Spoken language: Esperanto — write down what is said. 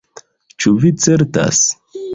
"Ĉu vi certas?"